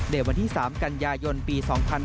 ในวันที่๓กันยายนปี๒๕๕๙